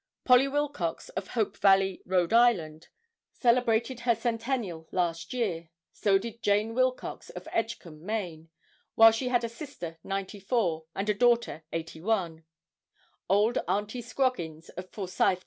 Polly Wilcox of Hope Valley, R. I., celebrated her centennial last year; so did Jane Wilcox of Edgecomb, Maine, while she had a sister 94, and a daughter 81. Old Auntie Scroggins, of Forsyth Co.